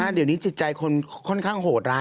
เดี๋ยวนี้จิตใจคนค่อนข้างโหดร้าย